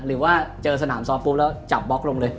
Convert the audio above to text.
หรือว่าเจอสนามซ้อมปุ๊บแล้วจับบล็อกลงเลย